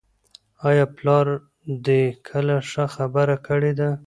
آیا پلار دې کله ښه خبره کړې ده؟